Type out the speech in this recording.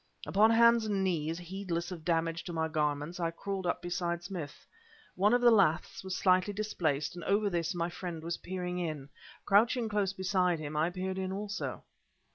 Upon hands and knees, heedless of damage to my garments, I crawled up beside Smith. One of the laths was slightly displaced and over this my friend was peering in. Crouching close beside him, I peered in also.